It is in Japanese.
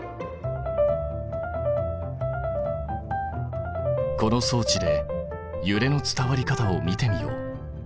この装置でゆれの伝わり方を見てみよう。